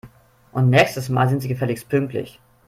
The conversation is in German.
Und nächstes Mal sind Sie gefälligst pünktlich!